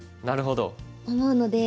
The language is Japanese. なるほど。